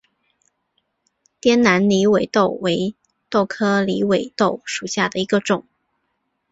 滇南狸尾豆为豆科狸尾豆属下的一个种。